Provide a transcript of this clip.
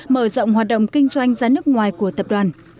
mở rộng hoạt động kinh doanh ra nước ngoài của tập đoàn